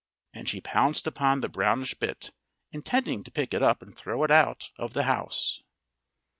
And she pounced upon the brownish bit, intending to pick it up and throw it out of the house.